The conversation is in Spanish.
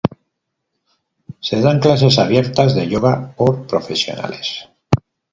Se dan clases abiertas de yoga por profesionales.